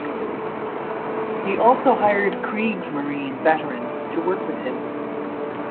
He also hired Kriegsmarine veterans to work with him.